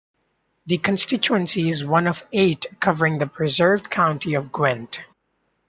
The constituency is one of eight covering the preserved county of Gwent.